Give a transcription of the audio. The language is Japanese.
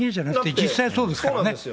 実際そうですから。